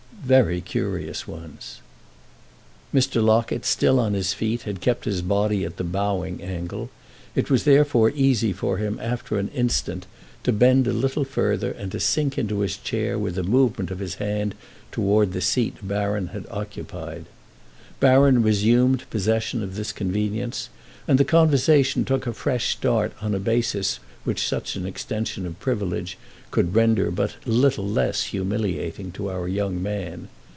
"Very curious ones." Mr. Locket, still on his feet, had kept his body at the bowing angle; it was therefore easy for him after an instant to bend a little further and to sink into his chair with a movement of his hand toward the seat Baron had occupied. Baron resumed possession of this convenience, and the conversation took a fresh start on a basis which such an extension of privilege could render but little less humiliating to our young man.